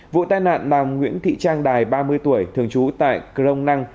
vụ tai nạn làm nguyễn thị trang đài ba mươi tuổi thường trú tại công năng